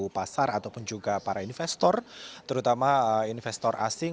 pasar ataupun juga para investor terutama investor asing